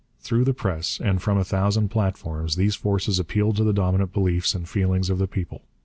Through the press and from a thousand platforms these forces appealed to the dominant beliefs and feelings of the people.